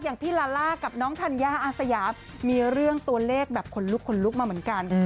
อย่างพี่ลาล่ากับน้องธัญญาอาสยามมีเรื่องตัวเลขแบบขนลุกขนลุกมาเหมือนกัน